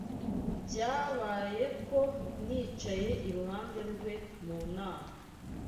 Byabaye ko nicaye iruhande rwe mu nama